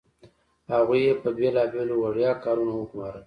هغوی یې په بیلابیلو وړيا کارونو وګمارل.